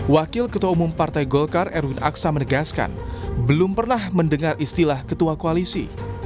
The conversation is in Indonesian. wakil ketua umum partai golkar erwin aksa menegaskan belum pernah mendengar istilah ketua koalisi